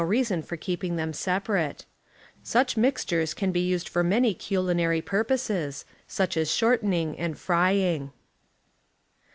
. reason for keeping them separate. Such mix drippings , r c tures can be used for many culinary purposes, such as shortening and frying.